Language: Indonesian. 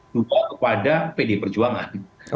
dua kepada pd perjuangan